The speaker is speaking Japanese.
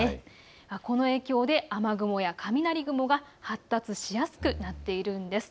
この影響で雨雲や雷雲が発達しやすくなっているんです。